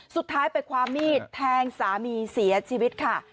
สุดท้ายไปความมีดแทงสามีเสียชีวิตค่ะ